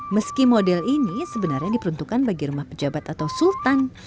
meski model ini sebenarnya diperuntukkan bagi rumah pejabat atau sultan